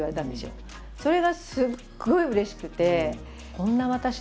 それがすごいうれしくて。